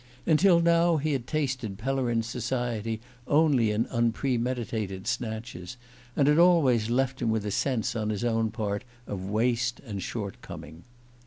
Until now he had tasted Pellerin's society only in unpremeditated snatches, and had always left him with a sense, on his own part, of waste and shortcoming.